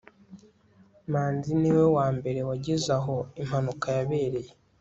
manzi niwe wambere wageze aho impanuka yabereye